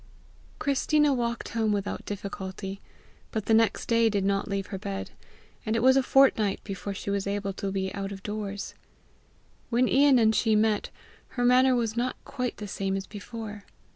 Christina walked home without difficulty, but the next day did not leave her bed, and it was a fortnight before she was able to be out of doors. When Ian and she met, her manner was not quite the same as before.